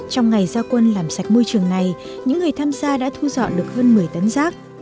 trong ngày gia quân làm sạch môi trường này những người tham gia đã thu dọn được hơn một mươi tấn rác